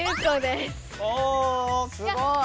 ・すごい！